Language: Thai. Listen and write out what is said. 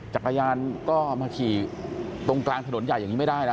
จักรยานก็มาขี่ตรงกลางถนนใหญ่อย่างนี้ไม่ได้นะ